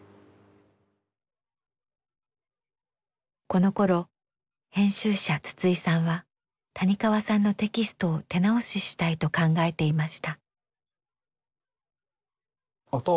このころ編集者筒井さんは谷川さんのテキストを手直ししたいと考えていました。